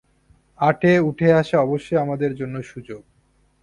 আটে উঠে আসা অবশ্যই আমাদের জন্য সুযোগ।